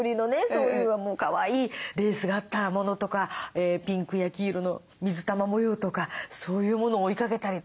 そういうかわいいレースがあったものとかピンクや黄色の水玉模様とかそういうものを追いかけたりとか。